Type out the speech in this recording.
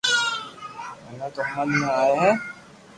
مني تو ھمج ۾ آئي ھي